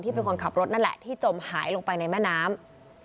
เป็นคนขับรถนั่นแหละที่จมหายลงไปในแม่น้ำ